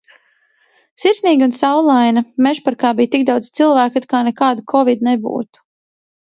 Sirsnīga un saulaina. Mežaparkā bija tik daudz cilvēku, it kā nekāda kovid nebūtu.